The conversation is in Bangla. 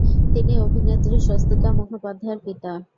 তিনি অভিনেত্রী স্বস্তিকা মুখোপাধ্যায়ের পিতা।